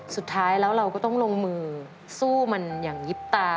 สุดท้ายแล้วเราก็ต้องลงมือสู้มันอย่างยิบตา